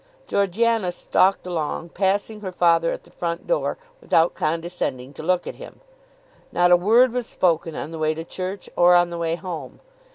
Georgiana stalked along, passing her father at the front door without condescending to look at him. Not a word was spoken on the way to church, or on the way home.